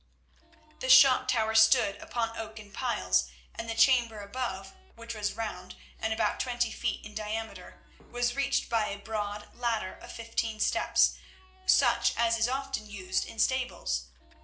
The shot tower stood upon oaken piles, and the chamber above, which was round, and about twenty feet in diameter, was reached by a broad ladder of fifteen steps, such as is often used in stables.